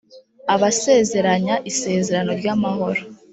abasezeranya isezerano ry’amahoro